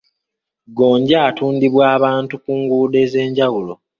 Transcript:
Gonja atundibwa abantu ku nguudo ez'enjawulo